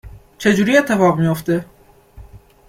چه جوری اتفاق میافته؟